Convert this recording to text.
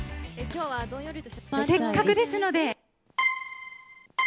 せっかくですので。